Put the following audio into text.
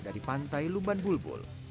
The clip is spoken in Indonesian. dari pantai lumban bulbul